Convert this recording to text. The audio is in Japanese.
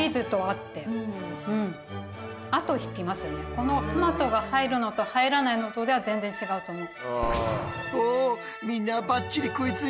このトマトが入るのと入らないのとでは全然違うと思う。